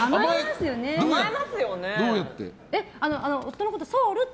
どうやって？